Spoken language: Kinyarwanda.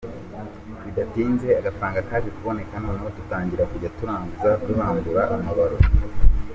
Bidatinze agafaranga kaje kuboneka noneho dutangira kujya turanguza, duhambura amabaro.